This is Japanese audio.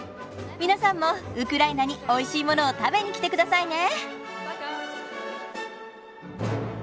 皆さんもウクライナにおいしいものを食べに来てくださいね。